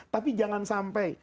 tapi jangan sampai